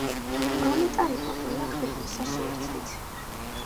პროლეტარებო ყველა ქვეყნისა, შეერთდით!